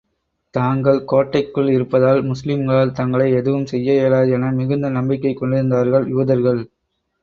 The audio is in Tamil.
தாங்கள் கோட்டைக்குள் இருப்பதால், முஸ்லிம்களால் தங்களை எதுவும் செய்ய இயலாது என மிகுந்த நம்பிக்கை கொண்டிருந்தார்கள் யூதர்கள்.